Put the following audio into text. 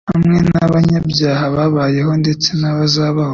hamwe n'abanyabyaha babayeho ndetse n'abazabaho.